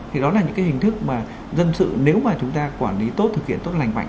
thì đó là những cái hình thức mà dân sự nếu mà chúng ta quản lý tốt thực hiện tốt lành mạnh